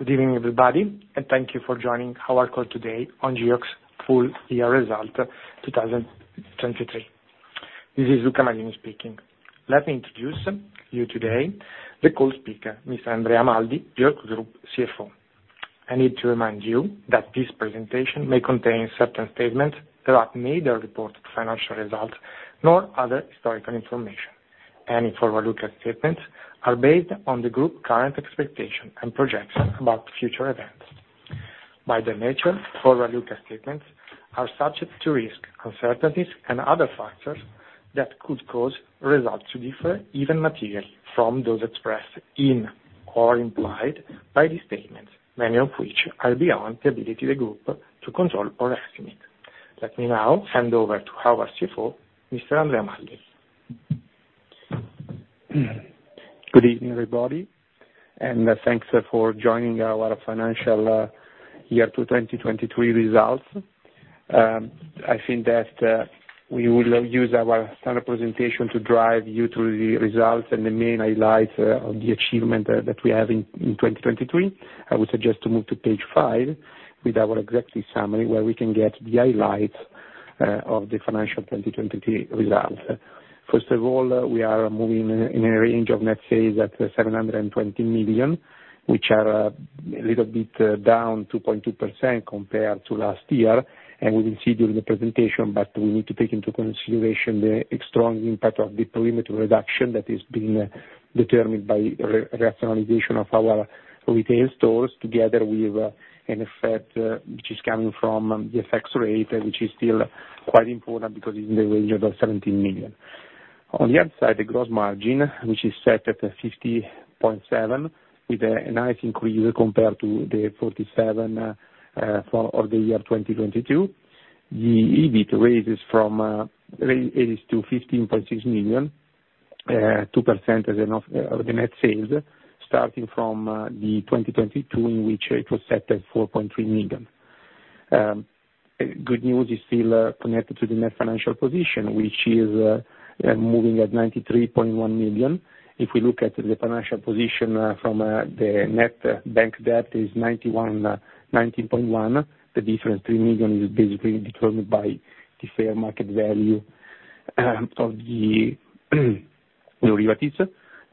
Good evening, everybody, and thank you for joining our call today on Geox Full Year Result 2023. This is Luca Amadini speaking. Let me introduce you today to the call speaker, Mr. Andrea Maldi, Geox Group CFO. I need to remind you that this presentation may contain certain statements that are neither reported financial results nor other historical information. Any forward-looking statements are based on the group's current expectations and projections about future events. By their nature, forward-looking statements are subject to risk, uncertainties, and other factors that could cause results to differ even materially from those expressed in or implied by these statements, many of which are beyond the ability of the group to control or estimate. Let me now hand over to our CFO, Mr. Andrea Maldi. Good evening, everybody, and thanks for joining our financial year 2023 results. I think that we will use our standard presentation to drive you through the results and the main highlights of the achievement that we have in 2023. I would suggest to move to page five with our Executive Summary where we can get the highlights of the financial 2023 results. First of all, we are moving in a range of, let's say, 720 million, which are a little bit down 2.2% compared to last year. We will see during the presentation, but we need to take into consideration the strong impact of the perimeter reduction that has been determined by rationalization of our retail stores together with an effect which is coming from the FX rate, which is still quite important because it's in the range of 17 million. On the other side, the gross margin, which is set at 50.7%, with a nice increase compared to the 47% of the year 2022. The EBIT raises from 82 to 15.6 million, 2% of the net sales, starting from 2022 in which it was set at 4.3 million. Good news is still connected to the net financial position, which is moving at 93.1 million. If we look at the financial position from the net bank debt, it is 91.1 million. The difference, 3 million, is basically determined by the fair market value of the derivatives.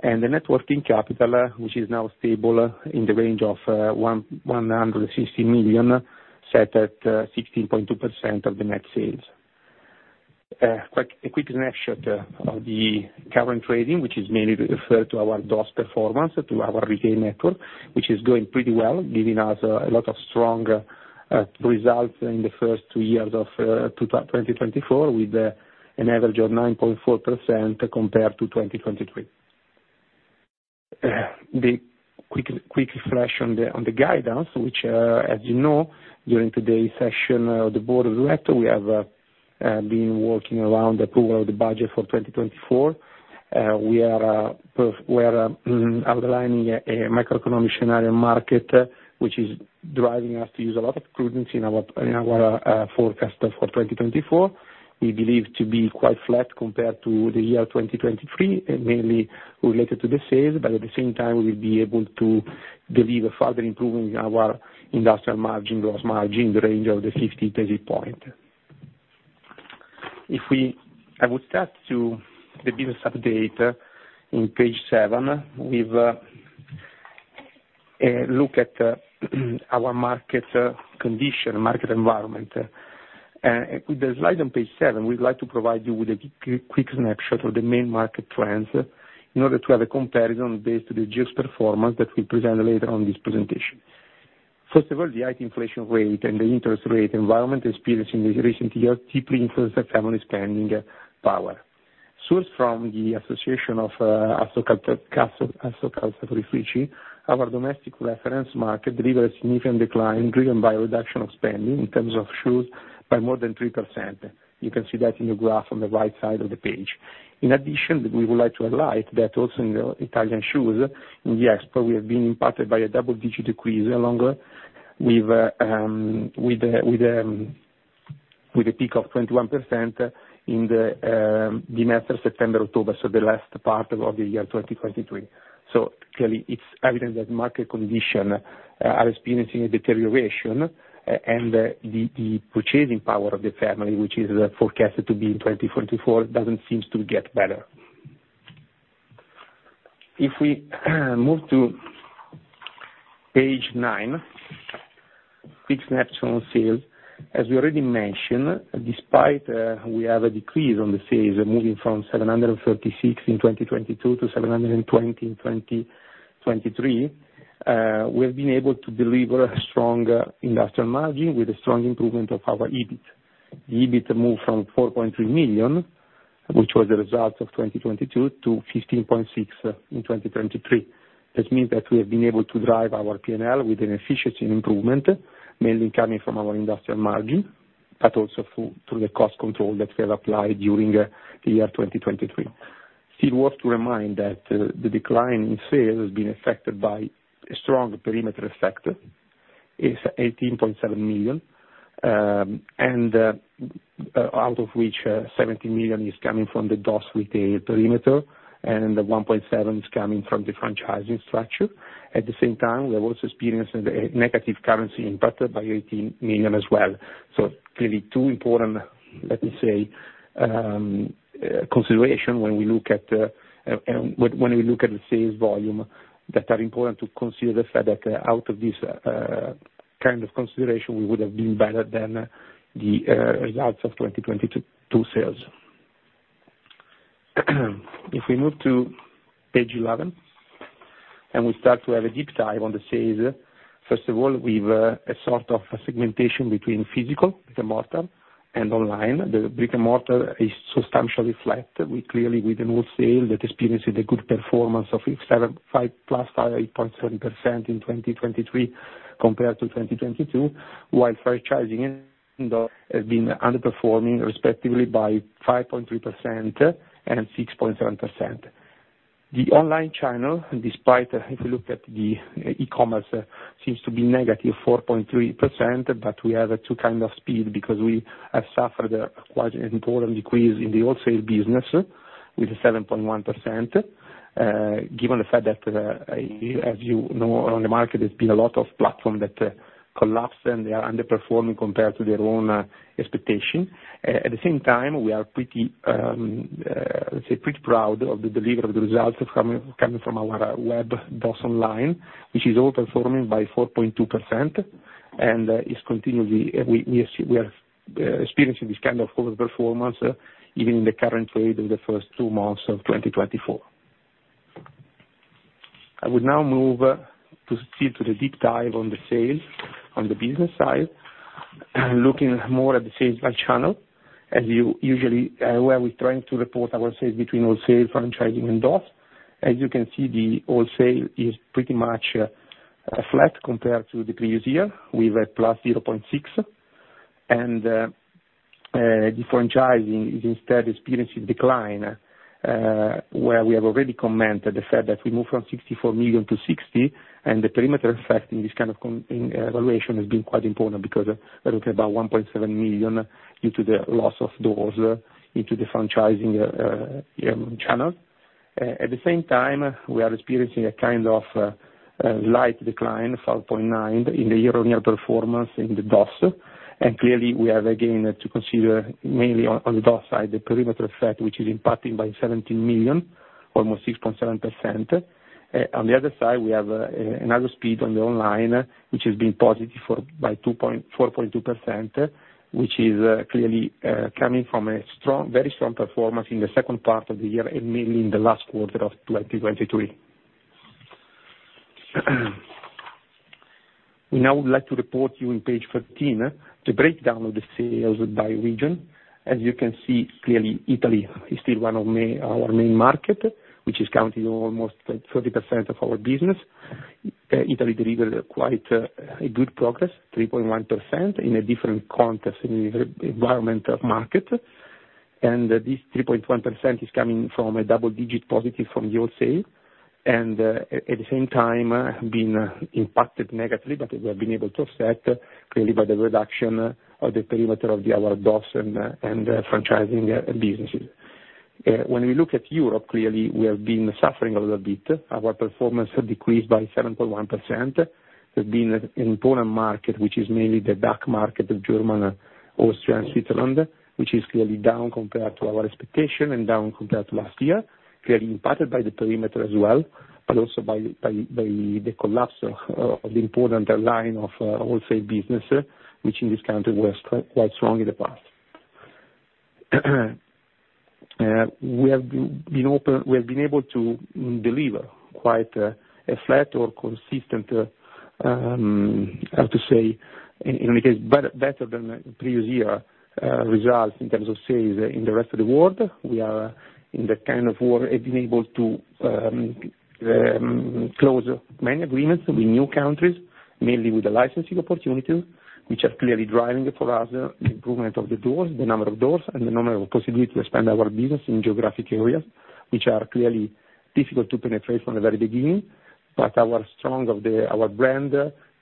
And the net working capital, which is now stable in the range of 160 million, set at 16.2% of the net sales. A quick snapshot of the current trading, which is mainly referred to our DOS performance, to our retail network, which is going pretty well, giving us a lot of strong results in the first two years of 2024 with an average of 9.4% compared to 2023. The quick reflection on the guidance, which, as you know, during today's session of the board of directors, we have been working around the approval of the budget for 2024. We are outlining a microeconomic scenario market, which is driving us to use a lot of prudence in our forecast for 2024. We believe to be quite flat compared to the year 2023, mainly related to the sales, but at the same time, we will be able to deliver further improvement in our industrial margin, gross margin, in the range of the 50 basis point. I would start to the business update in page 7. We've looked at our market condition, market environment. With the slide on page 7, we'd like to provide you with a quick snapshot of the main market trends in order to have a comparison based to the Geox performance that we'll present later on this presentation. First of all, the inflation rate and the interest rate environment experienced in this recent year deeply influenced the family spending power. Sourced from the Association of Assocalzaturifici, our domestic reference market delivered a significant decline driven by a reduction of spending in terms of shoes by more than 3%. You can see that in the graph on the right side of the page. In addition, we would like to highlight that also in the Italian shoes, in the export, we have been impacted by a double-digit decrease along with a peak of 21% in the semester September-October, so the last part of the year 2023. So clearly, it's evident that market conditions are experiencing a deterioration, and the purchasing power of the families, which is forecasted to be in 2024, doesn't seem to get better. If we move to page 9, quick snapshot on sales. As we already mentioned, despite we have a decrease on the sales moving from 736 million in 2022 to 720 million in 2023, we have been able to deliver a strong industrial margin with a strong improvement of our EBIT. The EBIT moved from 4.3 million, which was the result of 2022, to 15.6 million in 2023. That means that we have been able to drive our P&L with an efficiency improvement, mainly coming from our industrial margin, but also through the cost control that we have applied during the year 2023. Still worth to remind that the decline in sales has been affected by a strong perimeter effect. It's 18.7 million, out of which 70 million is coming from the DOS retail perimeter, and 1.7 million is coming from the franchising structure. At the same time, we have also experienced a negative currency impact by 18 million as well. So clearly, two important, let me say, considerations when we look at the sales volume that are important to consider the fact that out of this kind of consideration, we would have been better than the results of 2022 sales. If we move to page 11 and we start to have a deep dive on the sales, first of all, we have a sort of segmentation between physical, brick-and-mortar, and online. The brick-and-mortar is substantially flat with clearly within wholesale that experiences a good performance of 5 + 8.7% in 2023 compared to 2022, while franchising has been underperforming respectively by 5.3% and 6.7%. The online channel, despite if we look at the e-commerce, seems to be negative 4.3%, but we have two kinds of speed because we have suffered quite an important decrease in the wholesale business with 7.1%, given the fact that, as you know, on the market, there's been a lot of platforms that collapse and they are underperforming compared to their own expectation. At the same time, we are pretty let's say pretty proud of the delivery of the results coming from our Web DOS online, which is overperforming by 4.2% and is continually we are experiencing this kind of overperformance even in the current trade of the first two months of 2024. I would now move to still to the deep dive on the sales on the business side and looking more at the sales channel. As you usually where we're trying to report our sales between wholesale, franchising, and DOS, as you can see, the wholesale is pretty much flat compared to the previous year with a +0.6%. The franchising is instead experiencing a decline where we have already commented the fact that we moved from 64 million to 60 million, and the perimeter effect in this kind of evaluation has been quite important because we're looking at about 1.7 million due to the loss of doors into the franchising channel. At the same time, we are experiencing a kind of slight decline, 5.9%, in the year-on-year performance in the DOS. Clearly, we have again to consider mainly on the DOS side the perimeter effect, which is impacting by 17 million, almost 6.7%. On the other side, we have another speed on the online, which has been positive by 4.2%, which is clearly coming from a very strong performance in the second part of the year and mainly in the last quarter of 2023. We now would like to report to you on page 15 the breakdown of the sales by region. As you can see, clearly, Italy is still one of our main markets, which is counting almost 30% of our business. Italy delivered quite a good progress, 3.1%, in a different context and environment of market. And this 3.1% is coming from a double-digit positive from the wholesale and at the same time has been impacted negatively, but it has been able to offset clearly by the reduction of the perimeter of our DOS and franchising businesses. When we look at Europe, clearly, we have been suffering a little bit. Our performance has decreased by 7.1%. There's been an important market, which is mainly the DACH market of Germany, Austria, and Switzerland, which is clearly down compared to our expectation and down compared to last year, clearly impacted by the perimeter as well, but also by the collapse of the important line of wholesale business, which in this country was quite strong in the past. We have been able to deliver quite a flat or consistent, how to say, in any case, better than the previous year results in terms of sales in the rest of the world. We are in the kind of world we have been able to close many agreements with new countries, mainly with the licensing opportunity, which are clearly driving for us the improvement of the doors, the number of doors, and the number of possibilities to expand our business in geographic areas, which are clearly difficult to penetrate from the very beginning. But our strong brand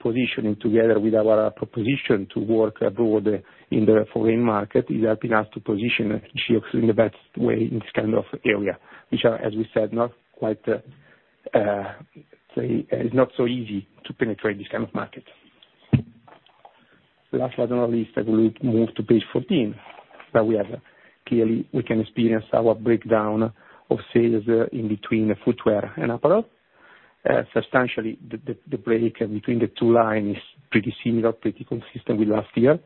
positioning together with our proposition to work abroad in the foreign market is helping us to position Geox in the best way in this kind of area, which are, as we said, not quite let's say it's not so easy to penetrate this kind of market. Last but not least, I will move to page 14 where we have clearly we can experience our breakdown of sales in between footwear and apparel. Substantially, the break between the two lines is pretty similar, pretty consistent with last year.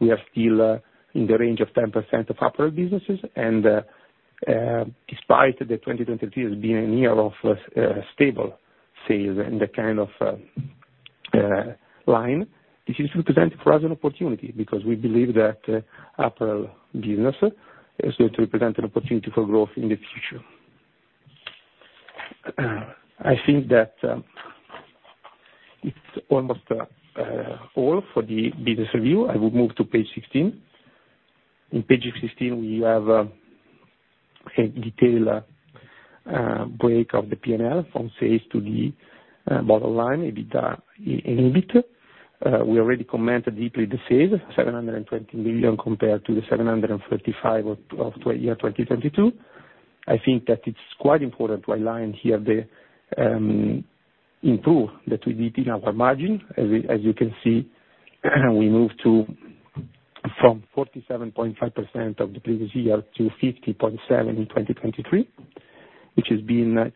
We are still in the range of 10% of apparel businesses. Despite 2023 as being a year of stable sales and that kind of line, this is representing for us an opportunity because we believe that apparel business is going to represent an opportunity for growth in the future. I think that it's almost all for the business review. I will move to page 16. On page 16, we have a detailed break of the P&L from sales to the bottom line, EBIT and EBIT. We already commented deeply the sales, 720 million compared to the 735 million of year 2022. I think that it's quite important to align here the improvement that we did in our margin. As you can see, we moved from 47.5% of the previous year to 50.7% in 2023, which has been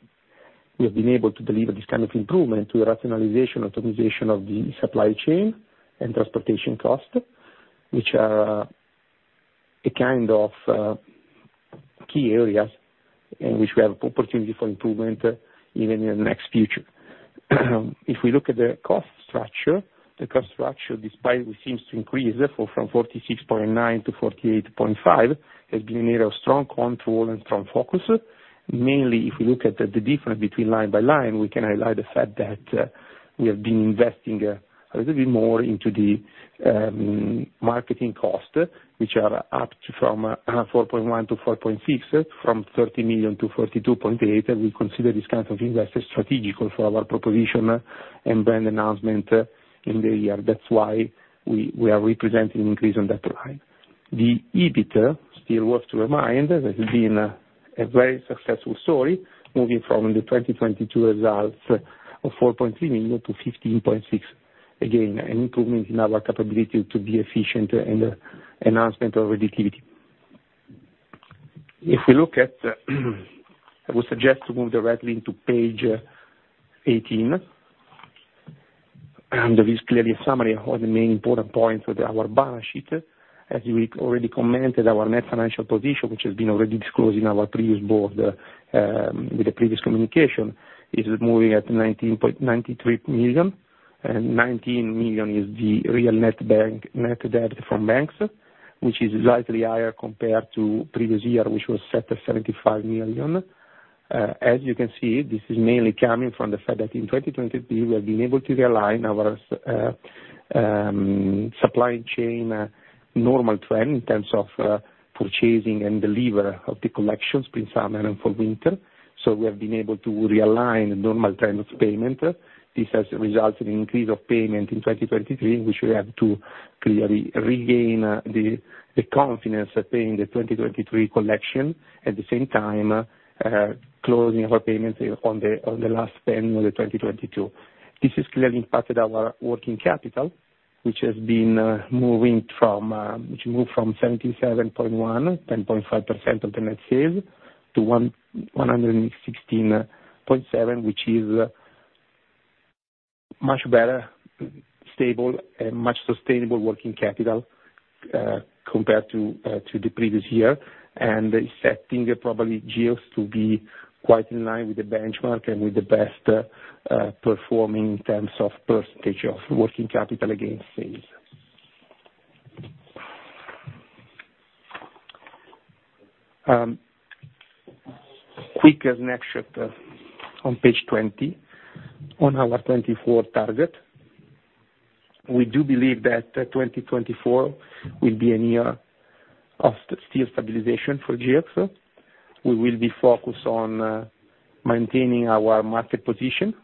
we have been able to deliver this kind of improvement to the rationalization, optimization of the supply chain and transportation cost, which are a kind of key areas in which we have opportunity for improvement even in the next future. If we look at the cost structure, the cost structure despite it seems to increase from 46.9% to 48.5% has been an area of strong control and strong focus. Mainly, if we look at the difference between line by line, we can highlight the fact that we have been investing a little bit more into the marketing cost, which are up from 4.1% to 4.6%, from 30 million to 42.8%. We consider this kind of investor strategical for our proposition and brand announcement in the year. That's why we are representing an increase on that line. The EBIT—still worth to remind that—has been a very successful story, moving from the 2022 results of 4.3 million to 15.6%, again an improvement in our capability to be efficient and announcement of productivity. If we look at it, I would suggest to move directly into page 18. There is clearly a summary of the main important points of our balance sheet. As we already commented, our net financial position, which has been already disclosed in our previous board with the previous communication, is moving at 93 million, and 19 million is the real net bank net debt from banks, which is slightly higher compared to previous year, which was set at 75 million. As you can see, this is mainly coming from the fact that in 2023, we have been able to realign our supply chain normal trend in terms of purchasing and delivery of the collections, Spring/Summer and Fall/Winter. So we have been able to realign the normal trend of payment. This has resulted in an increase of payment in 2023, in which we have to clearly regain the confidence paying the 2023 collection at the same time closing our payments on the last semester of 2022. This has clearly impacted our working capital, which moved from 77.1%, 10.5% of the net sales, to 116.7%, which is much better, stable, and much sustainable working capital compared to the previous year. It's setting probably Geox to be quite in line with the benchmark and with the best performing in terms of percentage of working capital against sales. Quick snapshot on page 20 on our 2024 target. We do believe that 2024 will be a year of steady stabilization for Geox. We will be focused on maintaining our market position,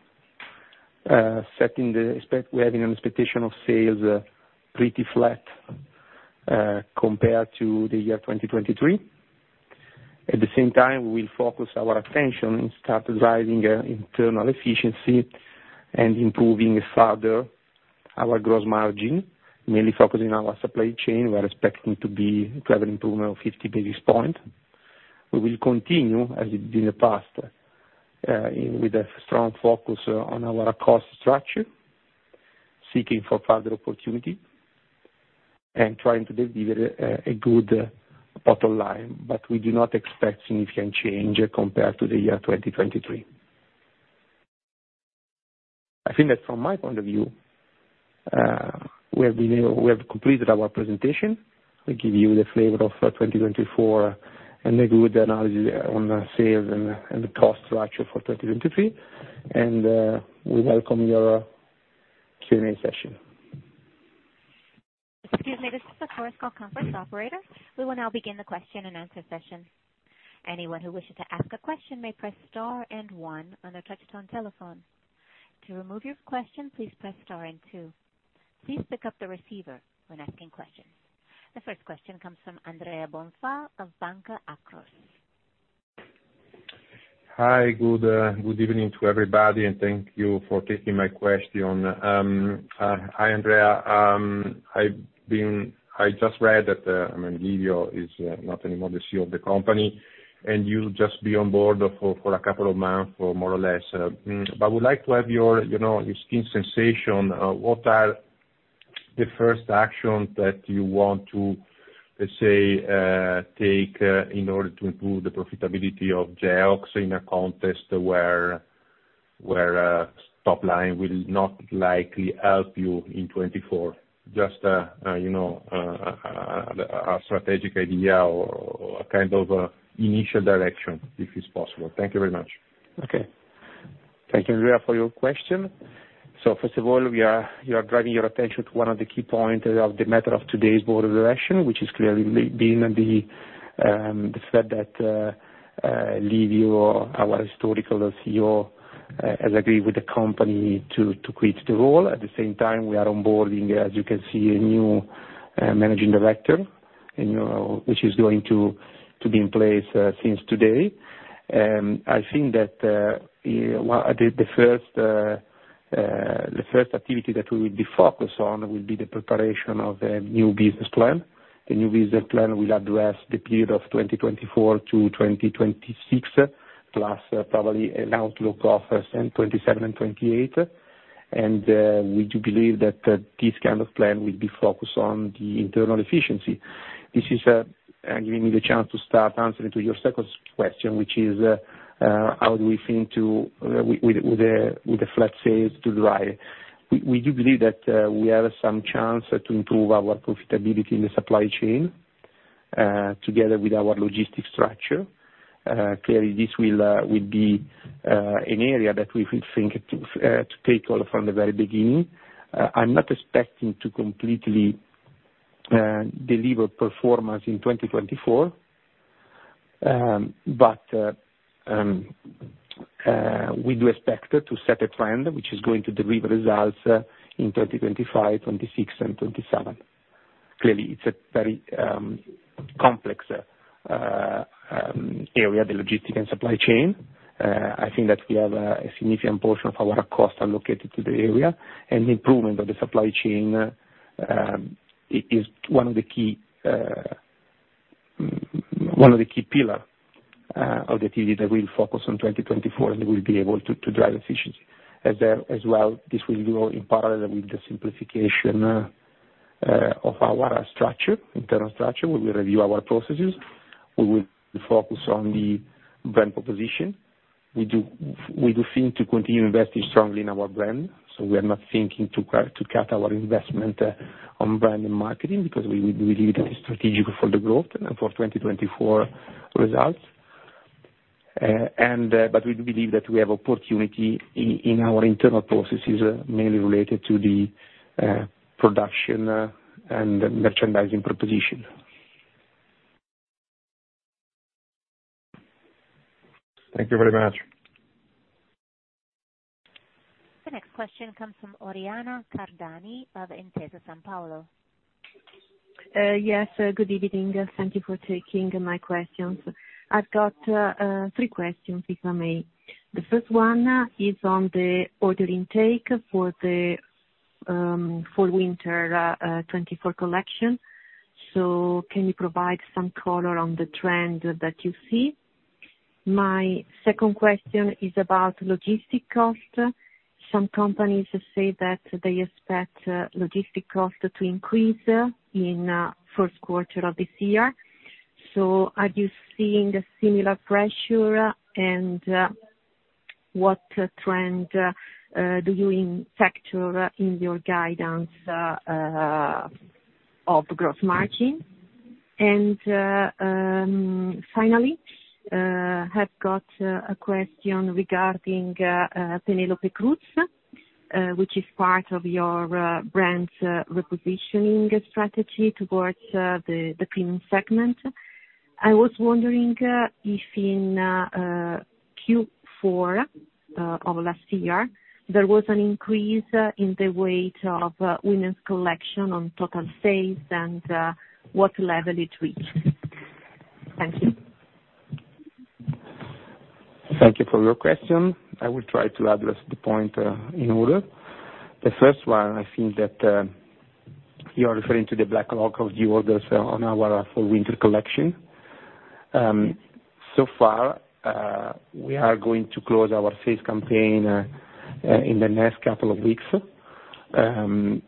setting the. We're having an expectation of sales pretty flat compared to the year 2023. At the same time, we will focus our attention and start driving internal efficiency and improving further our gross margin, mainly focusing on our supply chain. We are expecting to have an improvement of 50 basis points. We will continue as it did in the past with a strong focus on our cost structure, seeking for further opportunity, and trying to deliver a good bottom line. But we do not expect significant change compared to the year 2023. I think that from my point of view, we have completed our presentation. We give you the flavor of 2024 and a good analysis on sales and the cost structure for 2023. We welcome your Q&A session. Excuse me. This is the conference operator. We will now begin the question and answer session. Anyone who wishes to ask a question may press star and one on their touch-tone telephone. To remove your question, please press star and two. Please pick up the receiver when asking questions. The first question comes from Andrea Bonfa of Banca Akros. Hi. Good evening to everybody, and thank you for taking my question. Hi, Andrea. I just read that I mean, Livio is not anymore the CEO of the company, and you'll just be on board for a couple of months more or less. But I would like to have your skin sensation. What are the first actions that you want to, let's say, take in order to improve the profitability of Geox in a context where top line will not likely help you in 2024? Just a strategic idea or a kind of initial direction if it's possible. Thank you very much. Okay. Thank you, Andrea, for your question. So first of all, you are driving your attention to one of the key points of the matter of today's board of direction, which is clearly being the fact that Livio, our historical CEO, has agreed with the company to quit the role. At the same time, we are onboarding, as you can see, a new managing director, which is going to be in place since today. I think that the first activity that we will be focused on will be the preparation of a new business plan. The new business plan will address the period of 2024-2026, plus probably an outlook of 2027 and 2028. And we do believe that this kind of plan will be focused on the internal efficiency. This is giving me the chance to start answering to your second question, which is how do we think to with the flat sales to drive we do believe that we have some chance to improve our profitability in the supply chain together with our logistic structure. Clearly, this will be an area that we think to take all from the very beginning. I'm not expecting to completely deliver performance in 2024, but we do expect to set a trend which is going to deliver results in 2025, 2026, and 2027. Clearly, it's a very complex area, the logistics and supply chain. I think that we have a significant portion of our cost allocated to the area, and improvement of the supply chain is one of the key pillar of the activity that we will focus on 2024, and we will be able to drive efficiency. As well, this will go in parallel with the simplification of our structure, internal structure. We will review our processes. We will focus on the brand proposition. We do think to continue investing strongly in our brand. So we are not thinking to cut our investment on brand and marketing because we believe that it's strategic for the growth and for 2024 results. But we do believe that we have opportunity in our internal processes, mainly related to the production and merchandising proposition. Thank you very much. The next question comes from Oriana Cardani of Intesa Sanpaolo. Yes. Good evening. Thank you for taking my questions. I've got three questions, if I may. The first one is on the order intake for the winter 2024 collection. So can you provide some color on the trend that you see? My second question is about logistic cost. Some companies say that they expect logistic cost to increase in first quarter of this year. So are you seeing a similar pressure, and what trend do you factor in your guidance of gross margin? And finally, I have got a question regarding Penélope Cruz, which is part of your brand's repositioning strategy towards the premium segment. I was wondering if in Q4 of last year, there was an increase in the weight of women's collection on total sales and what level it reached. Thank you. Thank you for your question. I will try to address the point in order. The first one, I think that you are referring to the backlog on our orders for winter collection. So far, we are going to close our sales campaign in the next couple of weeks, close to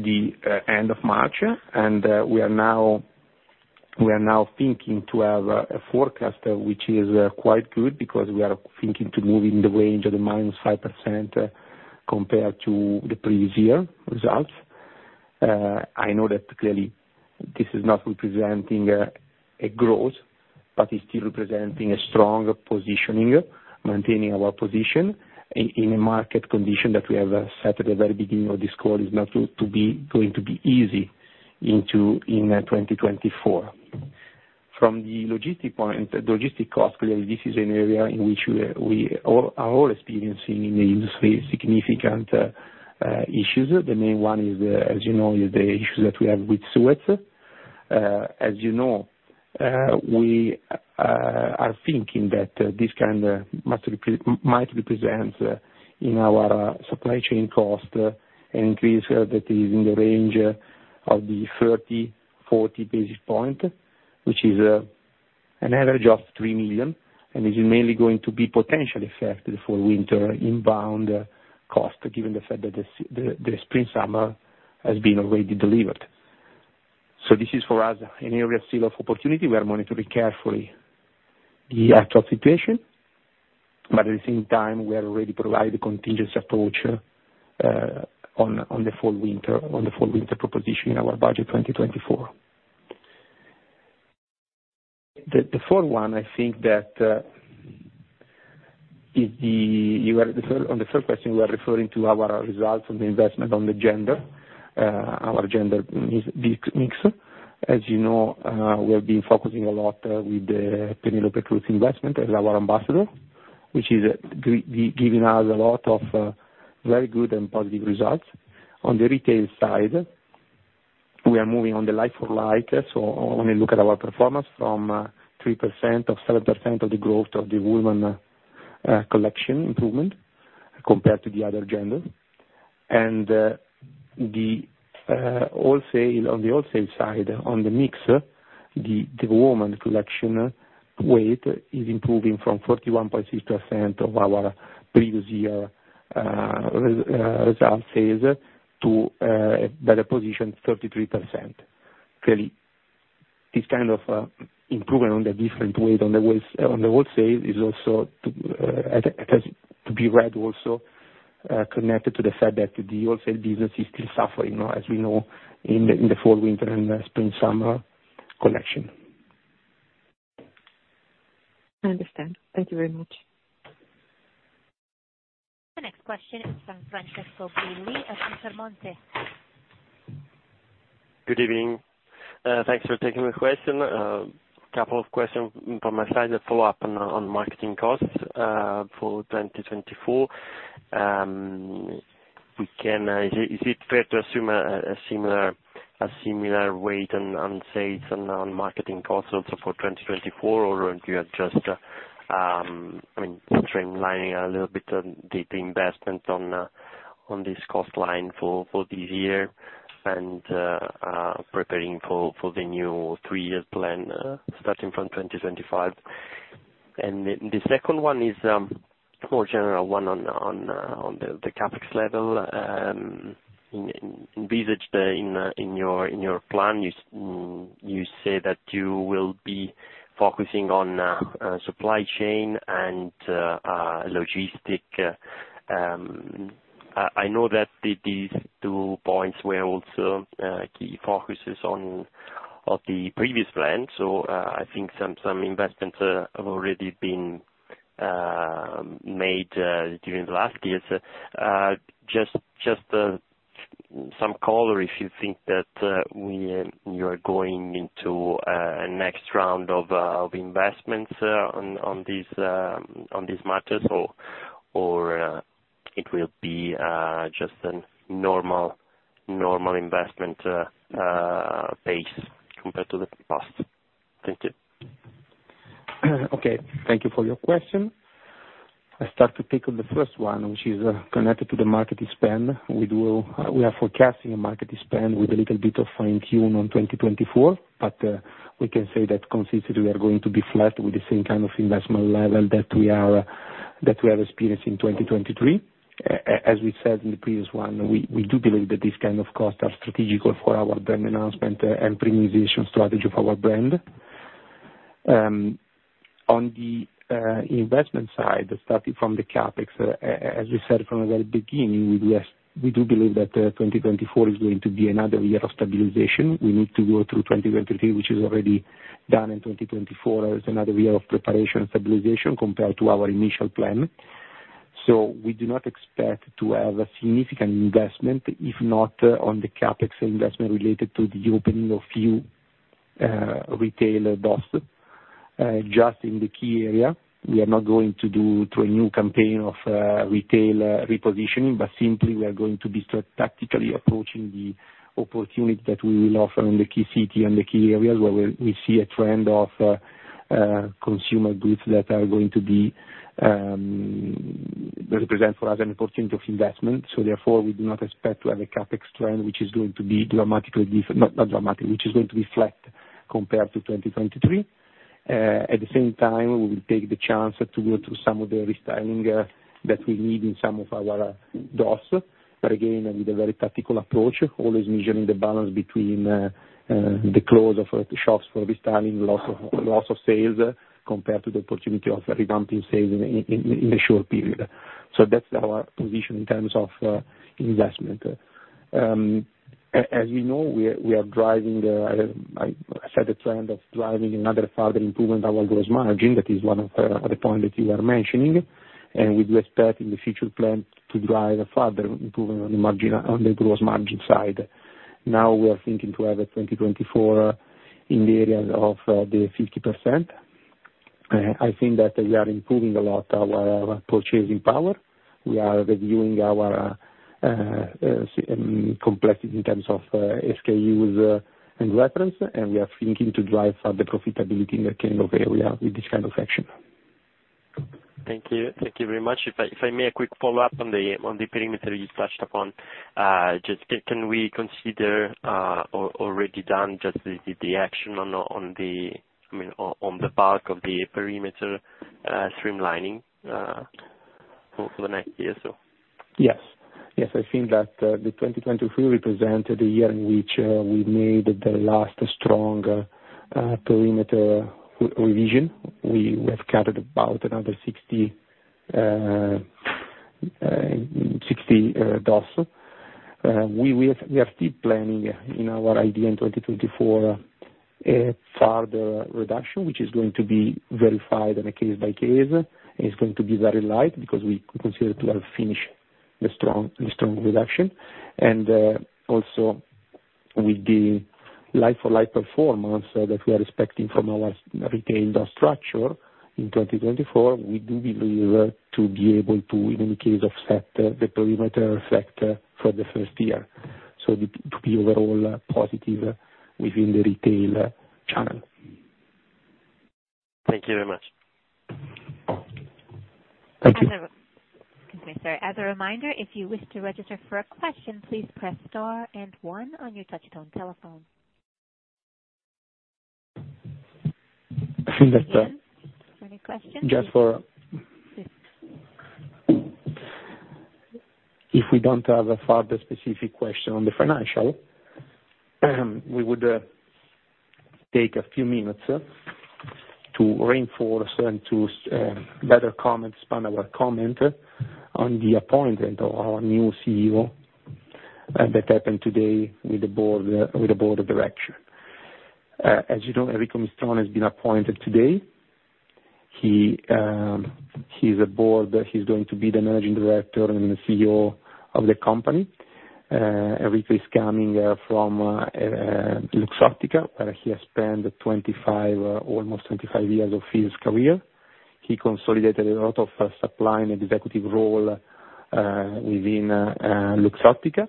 the end of March. And we are now thinking to have a forecast which is quite good because we are thinking to move in the range of the -5% compared to the previous year results. I know that clearly, this is not representing a growth, but it's still representing a strong positioning, maintaining our position in a market condition that we have set at the very beginning of this call is not going to be easy in 2024. From the logistics point, the logistics cost, clearly, this is an area in which we are all experiencing in the industry significant issues. The main one is, as you know, is the issues that we have with Suez. As you know, we are thinking that this kind might represent in our supply chain cost an increase that is in the range of 30-40 basis points, which is an average of 3 million, and it is mainly going to be potentially affected for winter inbound cost given the fact that the spring summer has been already delivered. So this is for us an area still of opportunity. We are monitoring carefully the actual situation. But at the same time, we are already providing a contingency approach on the for winter proposition in our budget 2024. The fourth one, I think that is the on the third question, we are referring to our results on the investment on the gender, our gender mix. As you know, we have been focusing a lot with the Penélope Cruz investment as our ambassador, which is giving us a lot of very good and positive results. On the retail side, we are moving on the like-for-like. So when you look at our performance from 3% of 7% of the growth of the women collection improvement compared to the other gender. And on the wholesale side, on the mix, the women's collection weight is improving from 41.6% of our previous year results sales to a better position, 33%. Clearly, this kind of improvement on the different weight on the wholesale is also to be read also connected to the fact that the wholesale business is still suffering, as we know, in the fall/winter and spring/summer collection. I understand. Thank you very much. The next question is from Francesco Di Lui from Intermonte. Good evening. Thanks for taking my question. A couple of questions from my side that follow up on marketing costs for 2024. Is it fair to assume a similar weight on sales and marketing costs also for 2024, or do you have just—I mean—streamlining a little bit the investment on this cost line for this year and preparing for the new three-year plan starting from 2025? And the second one is a more general one on the CapEx level envisaged in your plan. You say that you will be focusing on supply chain and logistics. I know that these two points were also key focuses of the previous plan. So I think some investments have already been made during the last years. Just some color if you think that you are going into a next round of investments on these matters, or it will be just a normal investment base compared to the past. Thank you. Okay. Thank you for your question. I start to pick on the first one, which is connected to the market expense. We are forecasting a market expense with a little bit of fine-tune on 2024, but we can say that consistently, we are going to be flat with the same kind of investment level that we have experienced in 2023. As we said in the previous one, we do believe that this kind of cost are strategical for our brand announcement and premiumization strategy of our brand. On the investment side, starting from the CapEx, as we said from the very beginning, we do believe that 2024 is going to be another year of stabilization. We need to go through 2023, which is already done, and 2024 as another year of preparation and stabilization compared to our initial plan. So we do not expect to have a significant investment, if not on the CapEx investment related to the opening of few retail doors just in the key area. We are not going to do through a new campaign of retail repositioning, but simply, we are going to be tactically approaching the opportunity that we will offer in the key city and the key areas where we see a trend of consumer goods that are going to represent for us an opportunity of investment. So therefore, we do not expect to have a CapEx trend which is going to be dramatically not dramatic, which is going to be flat compared to 2023. At the same time, we will take the chance to go through some of the restyling that we need in some of our stores, but again, with a very tactical approach, always measuring the balance between the close of shops for restyling, loss of sales compared to the opportunity of redirecting sales in a short period. So that's our position in terms of investment. As we know, we are driving, I said, a trend of driving another further improvement of our gross margin. That is one of the points that you are mentioning. And we do expect in the future plan to drive a further improvement on the gross margin side. Now, we are thinking to have a 2024 in the area of the 50%. I think that we are improving a lot our purchasing power. We are reviewing our complexity in terms of SKUs and reference, and we are thinking to drive further profitability in the K&O area with this kind of action. Thank you. Thank you very much. If I may, a quick follow-up on the perimeter you touched upon. Just can we consider already done just the action on the—I mean, on the bulk of the perimeter streamlining for the next year or so? Yes. Yes. I think that the 2023 represented the year in which we made the last strong perimeter revision. We have cut about another 60 doors. We are still planning in our idea in 2024 a further reduction, which is going to be verified on a case-by-case. It's going to be very light because we consider to have finished the strong reduction. And also, with the like-for-like performance that we are expecting from our retail door structure in 2024, we do believe to be able to, in any case, offset the perimeter effect for the first year, so to be overall positive within the retail channel. Thank you very much. Thank you. Excuse me, sir. As a reminder, if you wish to register for a question, please press star and one on your touch-tone telephone. I think that's it. Any questions? Just for if we don't have a further specific question on the financial, we would take a few minutes to reinforce and to better spend our comment on the appointment of our new CEO that happened today with the board of directors. As you know, Enrico Mistron has been appointed today. He's a board he's going to be the managing director and the CEO of the company. Enrico is coming from Luxottica, where he has spent almost 25 years of his career. He consolidated a lot of supply and executive role within Luxottica,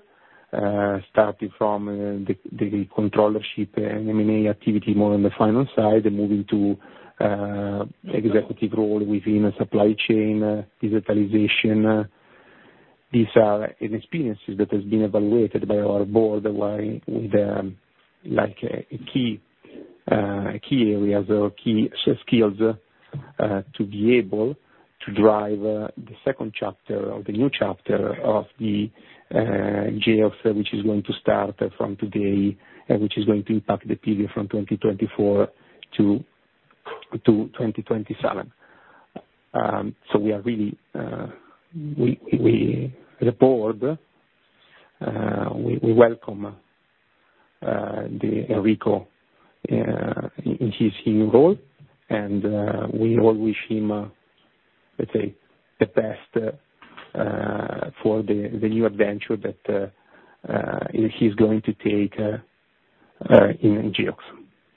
starting from the controllership and M&A activity more on the financial side and moving to executive role within supply chain, digitalization. These are experiences that have been evaluated by our board with key areas or key skills to be able to drive the second chapter or the new chapter of the GEOX, which is going to start from today and which is going to impact the period from 2024-2027. So we are really the board, we welcome Enrico in his new role, and we all wish him, let's say, the best for the new adventure that he's going to take in GEOX.